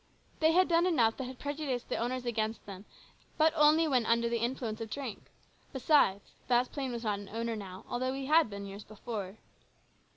They had done enough that had prejudiced the owners against them, but only when under the influence of drink. Besides, Vasplaine was not an owner now, although he had been years before.